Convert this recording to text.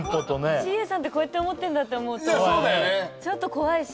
ＣＡさんってこうやって思ってんだって思うとちょっと怖いし。